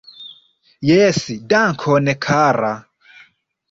Jes, dankon kara!